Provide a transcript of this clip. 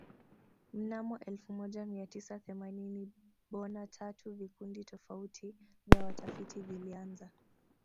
Mnamo elfu moja Mia tisa themanini bona tatu vikundi tofauti vya watafiti vilianza